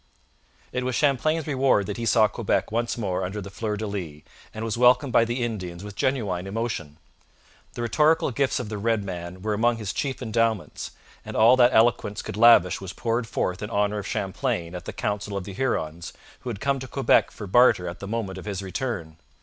It was Champlain's reward that he saw Quebec once more under the fleur de lis, and was welcomed by the Indians with genuine emotion. The rhetorical gifts of the red man were among his chief endowments, and all that eloquence could lavish was poured forth in honour of Champlain at the council of the Hurons, who had come to Quebec for barter at the moment of his return.